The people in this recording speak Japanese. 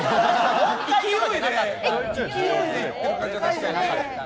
勢いでいってる感じは確かにね。